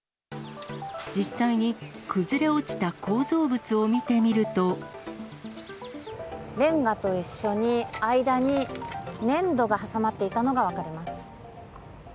実際に崩れ落ちた構造物を見レンガと一緒に、間に粘土が挟まっていたのが分かります。